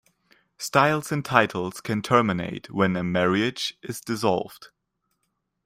Styles and titles can terminate when a marriage is dissolved.